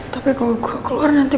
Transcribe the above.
tapi kalau keluar nanti